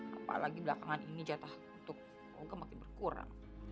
apalagi belakangan ini jatah untuk oga makin berkurang